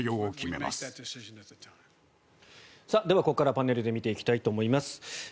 ここからパネルで見ていきたいと思います。